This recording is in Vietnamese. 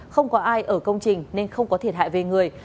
không có ai ở công trình nên không có thiệt hại về người